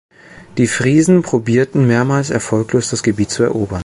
Die Friesen probierten mehrmals erfolglos das Gebiet zu erobern.